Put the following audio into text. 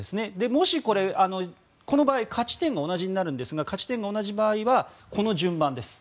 もしこれ、この場合勝ち点が同じになるんですが同じ場合はこの順番です。